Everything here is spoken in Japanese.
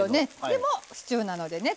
でもシチューなのでね